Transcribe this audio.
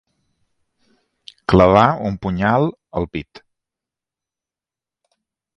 Clavar un punyal al pit.